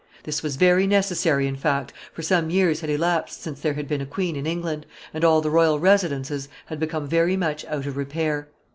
This was very necessary in fact, for some years had elapsed since there had been a queen in England, and all the royal residences had become very much out of repair.